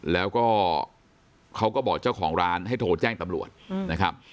แล้วก็เขาก็บอกเจ้าของร้านให้โทรแจ้งตำรวจนะครับ